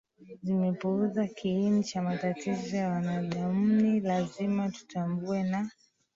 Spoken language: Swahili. zimepuuza kiini cha matatizo ya wanadamuNi lazima tutambue na